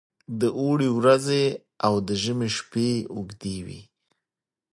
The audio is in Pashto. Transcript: د اوړي ورځې او د ژمي شپې اوږې وي.